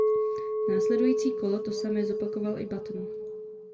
Následující kolo to samé zopakoval i Button.